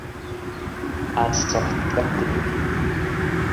A sorte te atende!